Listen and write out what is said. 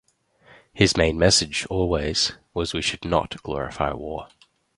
His main message always was we should not glorify war.